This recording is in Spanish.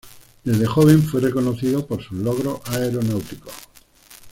Desde joven fue reconocido por sus logros aeronáuticos.